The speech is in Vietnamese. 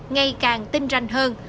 ngày càng tin ranh hơn